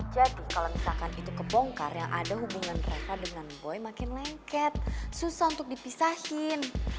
jadi kalau misalkan itu kebongkar yang ada hubungan reva dengan gue makin lengket susah untuk dipisahin